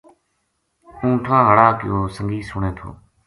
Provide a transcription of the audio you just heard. اونٹھاں ہاڑا کو سنگی سُنے تھو